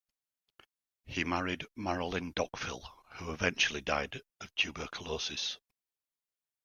He married Marilyn Dockfill, who eventually died of tuberculosis.